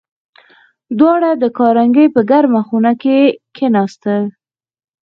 دواړه د کارنګي په ګرمه خونه کې کېناستل